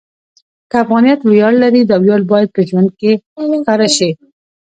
که افغانیت ویاړ لري، دا ویاړ باید په ژوند کې ښکاره شي.